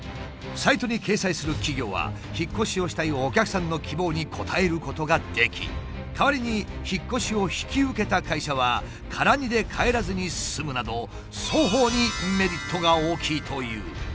サイトに掲載する企業は引っ越しをしたいお客さんの希望に応えることができ代わりに引っ越しを引き受けた会社は空荷で帰らずに済むなど双方にメリットが大きいという。